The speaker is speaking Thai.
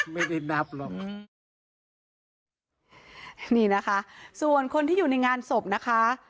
ไม่ได้นับหรอกอืมนี่นะคะส่วนคนที่อยู่ในงานศพนะคะ